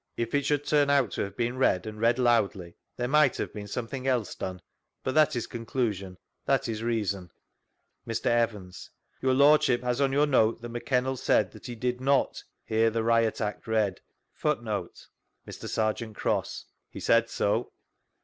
If it should turn oi^ to have been read, and read loudly, there might have been something else done— but that is condusion— that is reason. Mr. Evans : Your Ixirdship has on your note that McKenneU said that he did not* hear the Riot Act read. Mr. Serjeant Cross: He said so.